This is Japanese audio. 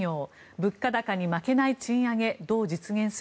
物価高に負けない賃上げどう実現する？